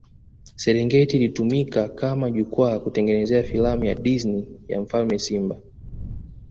Serengeti ilitumika kama jukwaa kutengeneza filamu ya Disney ya mfalme simba